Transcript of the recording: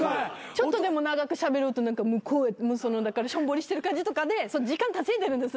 ちょっとでも長くしゃべろうと何かこうしょんぼりしてる感じとかで時間稼いでるんです